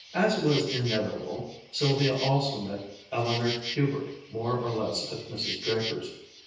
As was inevitable, Sylvia also met Eleanor Hubert more or less at Mrs. Draper's.